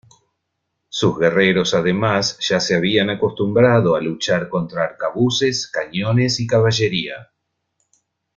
Sus guerreros además, ya se habían acostumbrado a luchar contra arcabuces, cañones y caballería.